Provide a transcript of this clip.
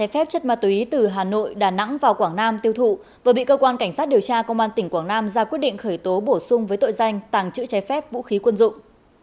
trái phép chất ma túy từ hà nội đà nẵng vào quảng nam tiêu thụ vừa bị cơ quan cảnh sát điều tra công an tỉnh quảng nam ra quyết định khởi tố bổ sung với tội danh tàng trữ trái phép vũ khí quân dụng